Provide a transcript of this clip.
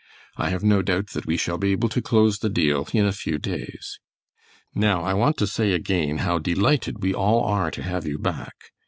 I have no doubt that we shall be able to close the deal in a few days. Now I want to say again how delighted we all are to have you back.